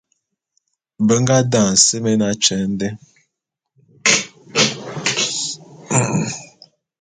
Be nga daňe semé atyeň dé.